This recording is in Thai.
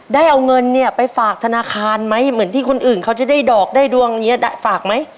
ได้เอาเงินเนี่ยไปฝากธนาคารไหมเหมือนที่คนอื่นเขาจะได้ดอกได้ดวงอย่างนี้ฝากไหม